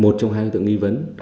một trong hai đối tượng nghi vấn